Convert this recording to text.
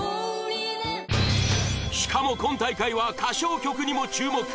しかも今大会は歌唱曲にも注目